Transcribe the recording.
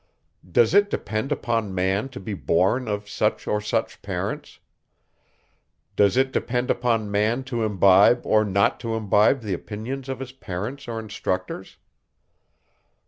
Does it depend upon man to be born of such or such parents? Does it depend upon man to imbibe or not to imbibe the opinions of his parents or instructors?